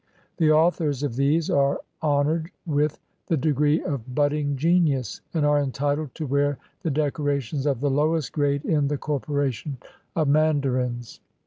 The authors of these are honored with." the degree of "Budding Genius," and are entitled to wear the decorations of the lowest grade in the corporation of mandarins.